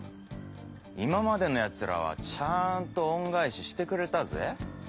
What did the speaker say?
今までのヤツらはちゃんと恩返ししてくれたぜ？